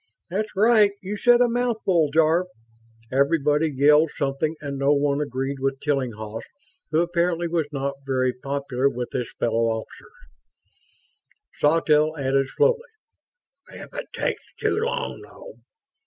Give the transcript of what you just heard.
"That's right. You said a mouthful, Jarve!" Everybody yelled something, and no one agreed with Tillinghast; who apparently was not very popular with his fellow officers. Sawtelle added, slowly: "If it takes too long, though